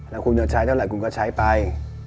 แล้วคุณจะใช้เท่าไหร่คุณก็ใช้ไป